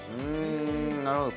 なるほど。